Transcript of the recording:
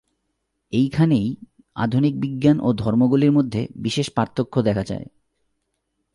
এইখানেই আধুনিক বিজ্ঞান ও ধর্মগুলির মধ্যে বিশেষ পার্থক্য দেখা যায়।